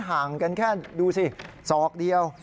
ห่างกันแค่ดูสิศอกเดียว